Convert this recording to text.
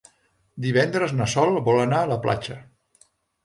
Divendres na Sol vol anar a la platja.